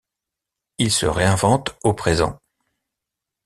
Il se réinvente au présent.